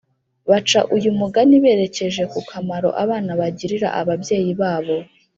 Baca uyu umugani berekeje ku kamaro abana bagirira ababyeyi babo